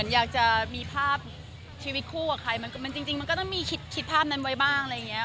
อยากจะมีภาพชีวิตคู่กับใครจริงมันก็ต้องมีคิดภาพนั้นไว้บ้าง